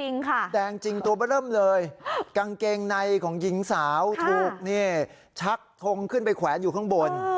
จริงค่ะแดงจริงตัวเบอร์เริ่มเลยกางเกงในของหญิงสาวถูกนี่ชักทงขึ้นไปแขวนอยู่ข้างบน